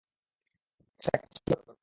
কিভাবে করবে ওটা?